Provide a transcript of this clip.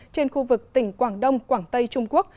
trên khu vực tỉnh quảng đông quảng tây trung quốc